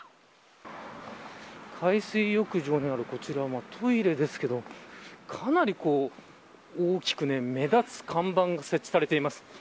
海水浴場にあるこちら、トイレですがかなり大きく目立つ看板が設置されています。